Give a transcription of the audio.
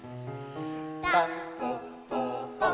「たんぽっぽぽん！